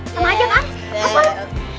sama aja kan apa lu